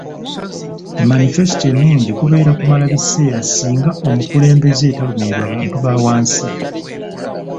Manifesito ennungi kubeera kumala biseera singa omukulembeze talumirirwa bantu ba wansi.